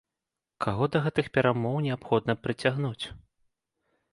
Каго да гэтых перамоў неабходна прыцягнуць?